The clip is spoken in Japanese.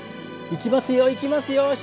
いきますよいきますよ